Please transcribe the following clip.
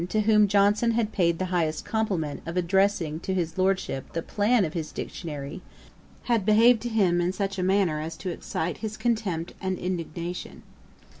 ] Lord Chesterfield, to whom Johnson had paid the high compliment of addressing to his Lordship the Plan of his Dictionary, had behaved to him in such a manner as to excite his contempt and indignation.